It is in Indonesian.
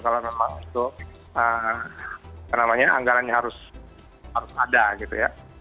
kalau memang itu anggarannya harus ada gitu ya